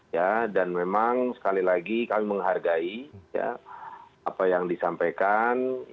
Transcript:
ya dan memang sekali lagi kami menghargai ya apa yang disampaikan